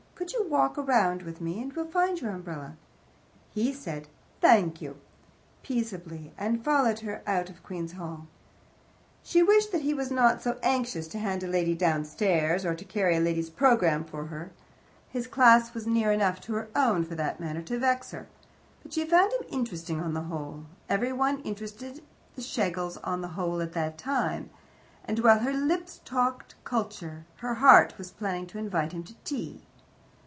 Could you walk around with me, and we'll find your umbrella?" he said, "Thank you," peaceably, and followed her out of the Queen's Hall. She wished that he was not so anxious to hand a lady downstairs, or to carry a lady's programme for her his class was near enough her own for its manners to vex her. But she found him interesting on the whole every one interested the Schlegels on the whole at that time and while her lips talked culture, her heart was planning to invite him to tea.